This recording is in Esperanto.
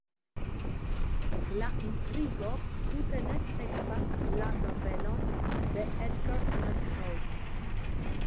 La intrigo tute ne sekvas la novelon de Edgar Allan Poe.